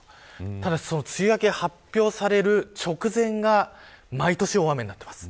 ただ、梅雨明け発表される直前が毎年、大雨になっています。